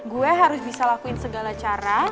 gue harus bisa lakuin segala cara